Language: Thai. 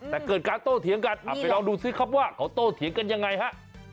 แต่เกิดการโต้เถียงกันไปลองดูซิครับว่าเขาโตเถียงกันยังไงฮะ